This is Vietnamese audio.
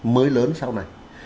mới lớn sau này